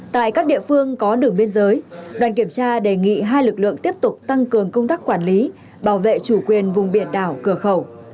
tại các địa phương có đường biên giới đoàn kiểm tra đề nghị hai lực lượng tiếp tục tăng cường công tác quản lý bảo vệ chủ quyền vùng biển đảo cửa khẩu